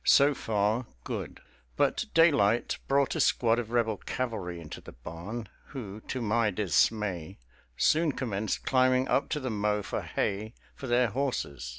So far, good; but daylight brought a squad of Rebel cavalry into the barn, who, to my dismay, soon commenced climbing up to the mow for hay for their horses.